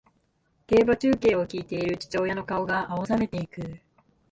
競馬中継を聞いている父親の顔が青ざめていく